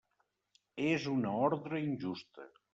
És una ordre injusta.